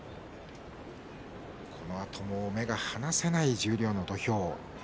このあとも目が離せない十両の土俵。